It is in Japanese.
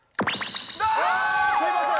すいません。